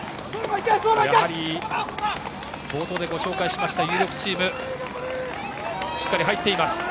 やはり冒頭でご紹介しました有力チームがしっかり入っています。